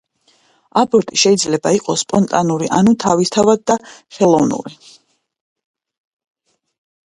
აბორტი შეიძლება იყოს სპონტანური ანუ თავისთავადი და ხელოვნური.